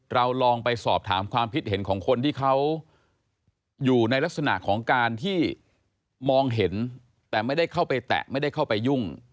เราลองไปสอบถามความคิดเห็นของคนที่เขาอยู่ในลักษณะของการที่มองเห็นแต่ไม่ได้เข้าไปแตะไม่ได้เข้าไปยุ่ง